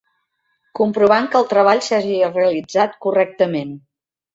Comprovant que el treball s'hagi realitzat correctament.